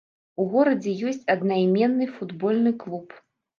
У горадзе ёсць аднайменны футбольны клуб.